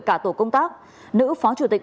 cả tổ công tác nữ phó chủ tịch